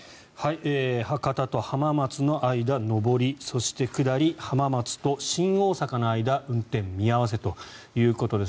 博多と浜松の間上りそして、下り浜松と新大阪の間運転見合わせということです。